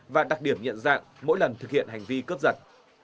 và đặc điểm nhận dạng mỗi lần thực hiện hành vi cướp giật